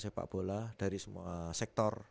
sepak bola dari semua sektor